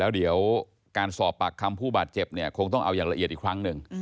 เดี๋ยวการสอบปากคำผู้บาดเจ็บเนี่ยคงต้องเอาอย่างละเอียดอีกครั้งหนึ่ง